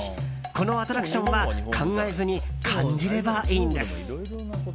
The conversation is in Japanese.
このアトラクションは考えずに感じればいいんです。